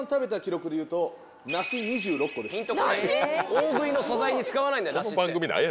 大食いの素材に使わないんだよ梨って。